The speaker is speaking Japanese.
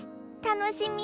楽しみ。